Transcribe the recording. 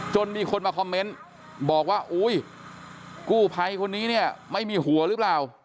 มีคนมาคอมเมนต์บอกว่าอุ้ยกู้ภัยคนนี้เนี่ยไม่มีหัวหรือเปล่า